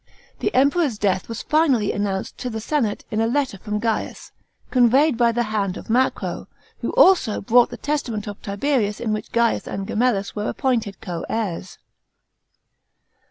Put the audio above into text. The Emperor's death was finally announced to the senate in a letter from Gaius, conveyed by the hand of Macro, who also brought the testament of Tibet ius, in which Gaius and Gemellus were appointed co heirs.